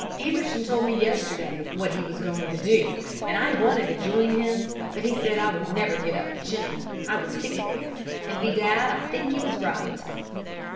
Anderson told me yesterday what he was going to do, and I wanted to join him, but he said I would never get up the chimney, I would stick there. And, bedad, I think he was right.'